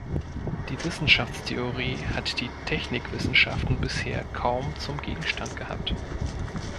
Die Wissenschaftstheorie hat die Technikwissenschaften bisher kaum zum Gegenstand gehabt.